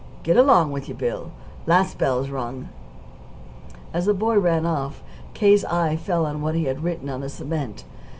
"Get along with you, Bill. Last bell's rung." As the boy ran off, K.'s eye fell on what he had written on the cement.